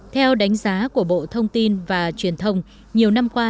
theo đánh giá của bộ thông tin và truyền thông nhiều năm qua